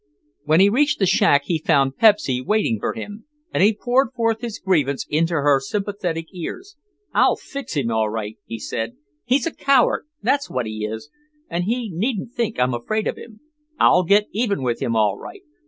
When he reached the shack he found Pepsy waiting for him and he poured forth his grievance into her sympathetic ears. "I'll fix him all right," he said; "he's a coward, that's what he is, and he needn't think I'm afraid of him. I'll get even with him all right.